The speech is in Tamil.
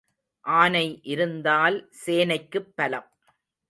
ஆனை இருந்தால் சேனைக்குப் பலம்.